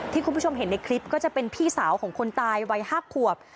คุณผู้ชมเห็นในคลิปก็จะเป็นพี่สาวของคนตายวัย๕ขวบ